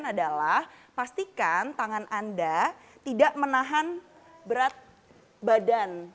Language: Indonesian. adalah pastikan tangan anda tidak menahan berat badan